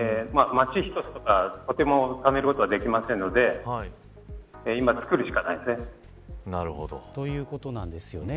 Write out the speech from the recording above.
街一つとかとても貯めることはできないので今はつくるしかないですね。